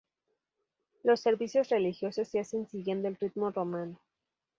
Los servicios religiosos se hacen siguiendo el rito romano.